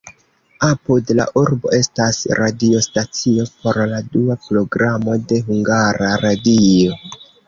Apud la urbo estas radiostacio por la dua programo de Hungara Radio.